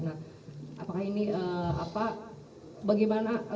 nah apakah ini apa bagaimana